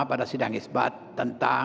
pada sidang isbat